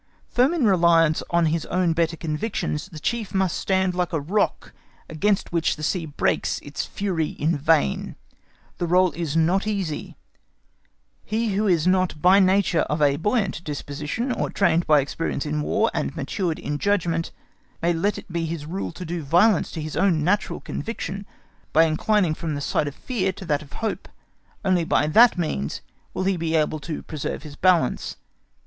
Firm in reliance on his own better convictions, the Chief must stand like a rock against which the sea breaks its fury in vain. The rôle is not easy; he who is not by nature of a buoyant disposition, or trained by experience in War, and matured in judgment, may let it be his rule to do violence to his own natural conviction by inclining from the side of fear to that of hope; only by that means will he be able to preserve his balance.